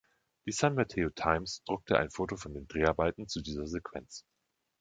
Die „San Mateo Times“ druckte ein Foto von den Dreharbeiten zu dieser Sequenz.